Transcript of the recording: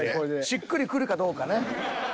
しっくりくるかどうかね。